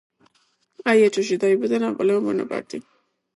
აიაჩოში დაიბადა ნაპოლეონ ბონაპარტი.